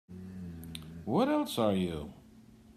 What else are you?